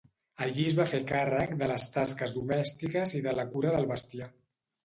Allí es va fer càrrec de les tasques domèstiques i de la cura del bestiar.